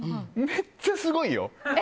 めっちゃすごいよ。